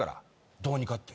どうにかって？